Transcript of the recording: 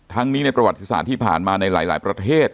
นี้ในประวัติศาสตร์ที่ผ่านมาในหลายประเทศ